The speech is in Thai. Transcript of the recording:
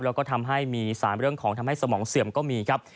แล้วก็ทำให้มีสารเรื่องของทำให้สมองเสื่อมก็มีครับ